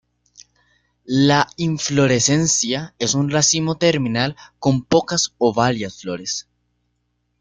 La inflorescencia es un racimo terminal con pocas o varias flores.